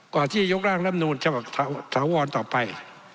ที่ยกร่างรับนูลฉบับถาวรต่อไป